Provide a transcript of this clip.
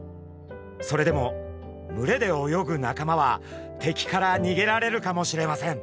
それでも群れで泳ぐ仲間は敵からにげられるかもしれません。